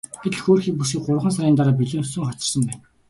Гэтэл хөөрхий бүсгүй гуравхан сарын дараа бэлэвсрэн хоцорсон байна.